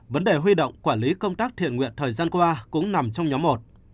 vấn đề huy động quản lý công tác thiện nguyện thời gian qua cũng nằm trong nhóm một